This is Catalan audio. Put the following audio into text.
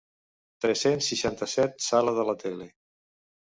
Tres-cents seixanta-set sala de la tele.